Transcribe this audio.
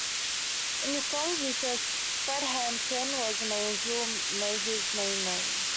In the song, he says "Fred Hampton was an angel may his name ring".